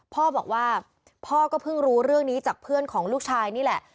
พ่อบอกว่าพ่อก็เพิ่งรู้เรื่องนี้จากเพื่อนของลูกชายนี่แหละ